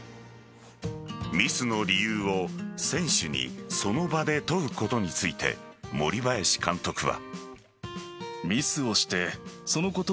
ミスの理由を選手にその場で問うことについて森林監督は。